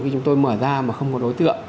khi chúng tôi mở ra mà không có đối tượng